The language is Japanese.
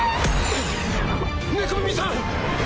猫耳さん！